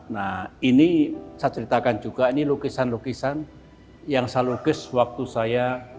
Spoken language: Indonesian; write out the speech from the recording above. nah ini saya ceritakan juga ini lukisan lukisan yang saya lukis waktu saya